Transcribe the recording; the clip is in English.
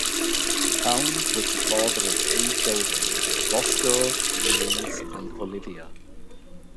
Pound was the father of three children: Roscoe, Louise, and Olivia.